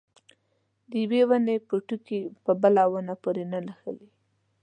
د یوې ونې پوټکي په بله ونه پورې نه نښلي.